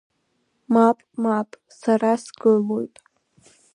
Мап, мап, сара сгылоит.